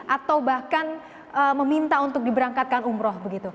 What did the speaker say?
atau bahkan meminta untuk diberangkatkan umroh